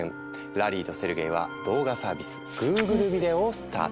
ラリーとセルゲイは動画サービス「Ｇｏｏｇｌｅビデオ」をスタート。